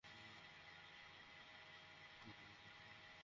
তুই এটা না জেনেই এত বছর থেকে এখানে থাকছিস?